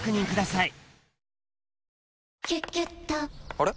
あれ？